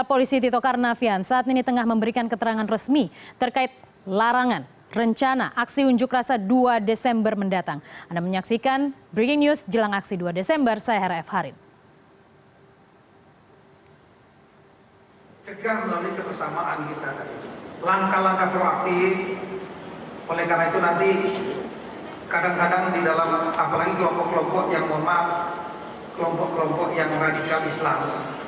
oleh karena itu nanti kadang kadang di dalam kelompok kelompok yang memak kelompok kelompok yang radikal islam